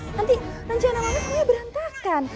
nanti rencana mamanya semuanya berantakan